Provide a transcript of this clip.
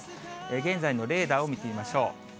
現在のレーダーを見てみましょう。